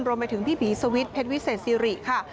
รวมไปถึงพี่ผีสวิทย์เพชรวิเศษสิริค่ะ